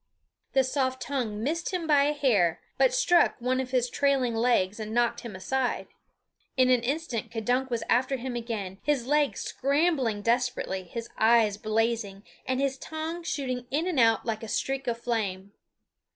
The soft tongue missed him by a hair, but struck one of his trailing legs and knocked him aside. In an instant K'dunk was after him again, his legs scrambling desperately, his eyes blazing, and his tongue shooting in and out like a streak of flame.